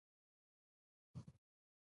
، قلم مو تل ځلاند په عمر مو برکت .